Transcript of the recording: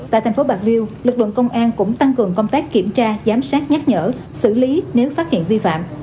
tại thành phố bạc liêu lực lượng công an cũng tăng cường công tác kiểm tra giám sát nhắc nhở xử lý nếu phát hiện vi phạm